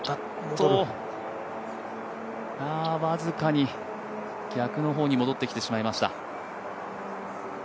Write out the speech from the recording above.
ああ、僅かに逆の方に戻ってきてしまいました。